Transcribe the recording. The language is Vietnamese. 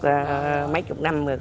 cô làm này cũng được